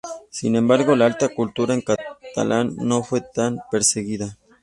Sin embargo, la alta cultura en catalán no fue tan perseguida.